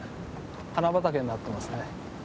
花畑になってますね。